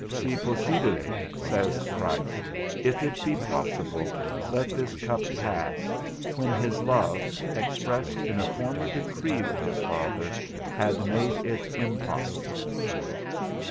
Si possibile says Christ, if it be possible, let this cup pass, when his love, expressed in a former decree with his Father, had made it impossible.